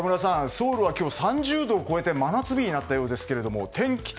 ソウルは今日、３０度を超えて真夏日になったそうですが天気と